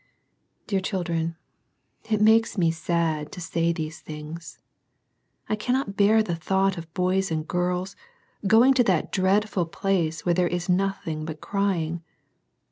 Dear children, it makes me sad to say these things. I cannot bear the thought of boys and girls going to that dreadful place where there is nothing but crying.